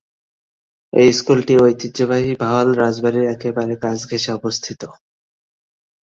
এই স্কুলটি ঐতিহ্যবাহী ভাওয়াল রাজবাড়ীর একেবারে কাছ ঘেঁষে অবস্থিত।